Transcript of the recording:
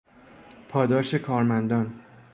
پاداش کارمندان